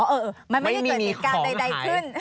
อ๋อเออมันไม่มีเหตุการณ์ใดขึ้น